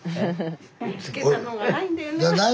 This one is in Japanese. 漬けたのがないんだよな。